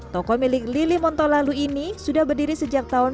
toko milik lili montolalu ini sudah berdiri sejak tahun seribu sembilan ratus tiga puluh enam